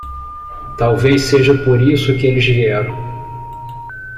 Talvez seja por isso que eles vieram.